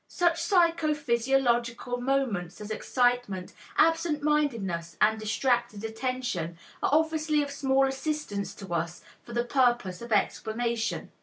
Such psycho physiological moments as excitement, absent mindedness and distracted attention, are obviously of small assistance to us for the purpose of explanation.